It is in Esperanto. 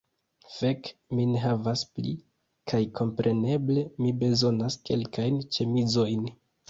Fek', mi ne havas pli. Kaj kompreneble mi bezonas kelkajn ĉemizojn